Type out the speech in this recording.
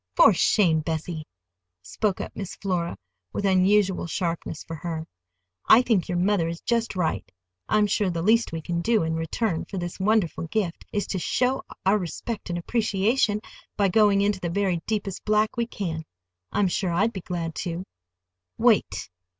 "For shame, Bessie!" spoke up Miss Flora, with unusual sharpness for her. "I think your mother is just right. I'm sure the least we can do in return for this wonderful gift is to show our respect and appreciation by going into the very deepest black we can. I'm sure I'd be glad to." "Wait!"